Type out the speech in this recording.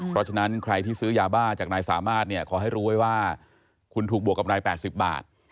เพราะฉะนั้นใครที่ซื้อยาบ้าจากนายสามารถเนี่ยขอให้รู้ไว้ว่าคุณถูกบวกกำไร๘๐บาท